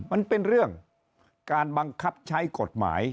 มันเป็นเรื่องการบังคับใช้กฎหมาย